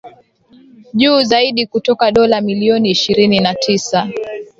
juu zaidi kutoka dola milioni ishirini na tisa